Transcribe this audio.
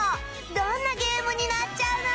どんなゲームになっちゃうの？